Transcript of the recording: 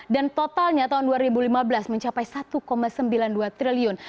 dan totalnya tahun dua ribu lima belas mencapai satu sembilan puluh dua triliun